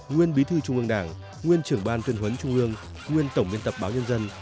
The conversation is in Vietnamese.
nguyên bí thư trung ương đảng nguyên trưởng ban tuyên huấn trung ương nguyên tổng biên tập báo nhân dân